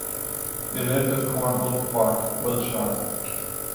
They lived at Conholt Park, Wiltshire.